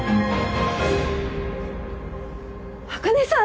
茜さん！